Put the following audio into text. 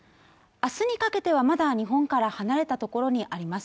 明日にかけてはまだ日本から離れたところにあります